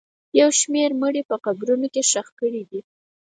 یو شمېر مړي په قبرونو کې ښخ کړي دي